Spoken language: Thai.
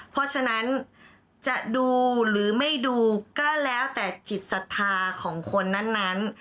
เพราะฉะนั้นจะดูหรือไม่ดูก็แล้วแต่จิตศรัทธาของคนนั้น